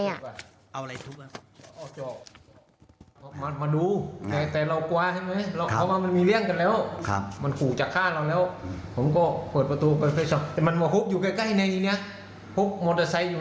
ยกมาด้วยคือว่าทำท่าว่าจะฟันพ่อครับแล้วตอนนั้นพ่อทำยังไง